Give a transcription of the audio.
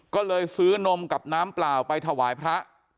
ก็เลยซื้อนมกับน้ำเปล่าไปถวายพระ